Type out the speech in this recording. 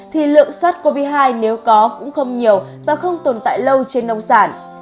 thì lượng sars cov hai nếu có cũng không nhiều và không tồn tại lâu trên nông sản